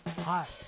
はい。